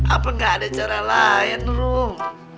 apa gak ada cara lain rom